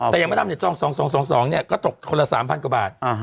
แต่ยังมาทำให้ตรง๒เนี่ยก็ตกคนละ๓พันกว่าบาท